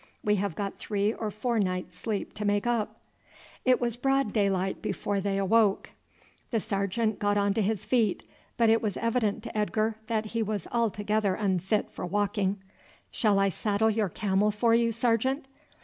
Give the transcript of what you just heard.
We have got three or four nights' sleep to make up." It was broad daylight before they awoke. The sergeant got on to his feet, but it was evident to Edgar that he was altogether unfit for walking. "Shall I saddle your camel for you, sergeant?"